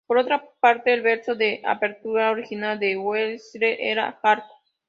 Por otra parte, el verso de apertura original de Wesley era: ""Hark!